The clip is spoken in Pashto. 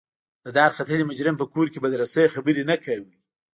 د دارختلي مجرم په کور کې به د رسۍ خبرې نه کوئ.